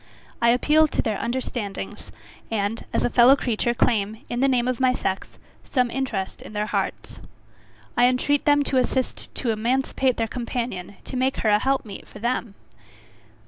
I appeal to their understandings; and, as a fellow creature claim, in the name of my sex, some interest in their hearts. I entreat them to assist to emancipate their companion to make her a help meet for them!